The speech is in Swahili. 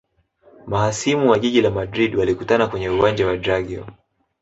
mahasimu wa jiji la madrid walikutana kwenye uwanja wa drageo